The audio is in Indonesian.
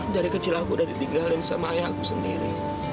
dari kecil aku udah ditinggalin sama ayahku sendiri